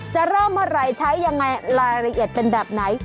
จะเริ่มเมื่อไหร่ใช้ยังไงรายละเอียดเป็นแบบไหน